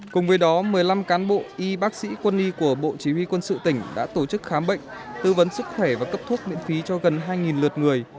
cùng với đó một mươi năm cán bộ y bác sĩ quân y của bộ chỉ huy quân sự tỉnh đã tổ chức khám bệnh tư vấn sức khỏe và cấp thuốc miễn phí cho gần hai lượt người